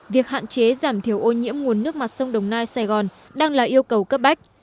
việc hạn chế giảm thiểu ô nhiễm nguồn nước mặt sông đồng nai sài gòn đang là yêu cầu cấp bách